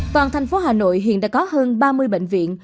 toàn thành phố hà nội hiện đã có hơn ba mươi bệnh viện